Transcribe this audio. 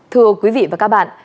thưa quý vị và các bạn